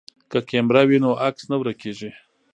که کیمره وي نو عکس نه ورکیږي.